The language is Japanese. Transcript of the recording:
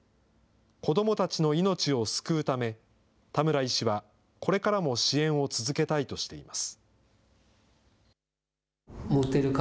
子どもたちの命を救うため、田村医師はこれからも支援を続けたいとしています。